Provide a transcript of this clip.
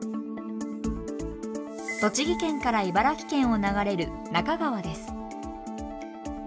栃木県から茨城県を流れる那珂川です。